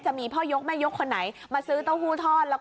จะมีพ่อยกแม่ยกคนไหนมาซื้อเต้าหู้ทอด